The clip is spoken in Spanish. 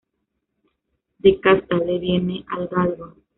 De casta le viene al galgo